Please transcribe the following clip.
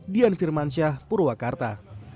dian firmansyah purwakarta